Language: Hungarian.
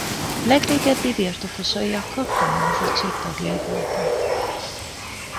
Legrégebbi birtokosai a Kaplon nemzetség tagjai voltak.